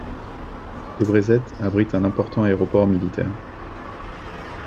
Debre Zeit abrite un important aéroport militaire.